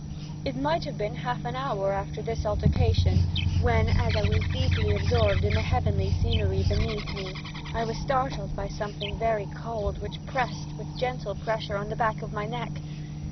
It might have been half an hour after this altercation when, as I was deeply absorbed in the heavenly scenery beneath me, I was startled by something very cold which pressed with a gentle pressure on the back of my neck.